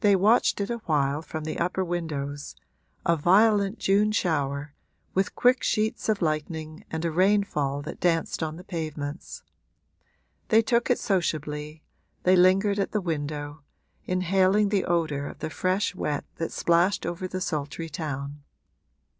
They watched it a while from the upper windows a violent June shower, with quick sheets of lightning and a rainfall that danced on the pavements. They took it sociably, they lingered at the window, inhaling the odour of the fresh wet that splashed over the sultry town.